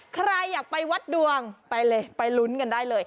ใครอยากไปวัดดวงไปเลยไปลุ้นกันได้เลย